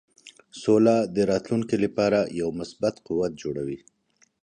سوله د راتلونکې لپاره یو مثبت قوت جوړوي.